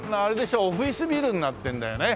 オフィスビルになってんだよね。